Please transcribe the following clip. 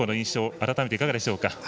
改めて、いかがでしょうか？